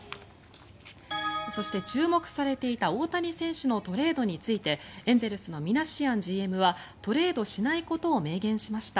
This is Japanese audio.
そして注目されていた大谷選手のトレードについてエンゼルスのミナシアンＧＭはトレードしないことを明言しました。